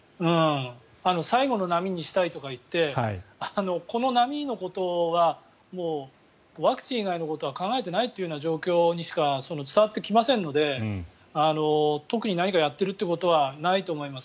最後の波にしたいとか言ってこの波のことがもうワクチン以外のことは考えていないというような状況にしか伝わってきませんので特に何かやっているってことはないと思います。